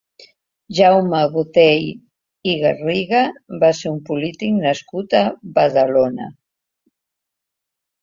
Jaume Botey i Garriga va ser un polític nascut a Badalona.